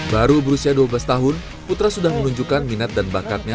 baru berusia dua belas tahun putra sudah menunjukkan minat dan bakatnya